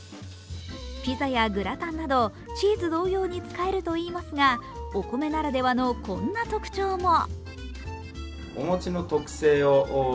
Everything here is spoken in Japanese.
ピザやグラタンなどチーズ同様に使えるといいますがお米ならではのこんな特徴も。